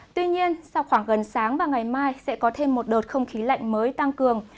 tuy nhiên sau khoảng gần sáng và ngày mai sẽ có thêm một đợt không khí lạnh mới tăng cường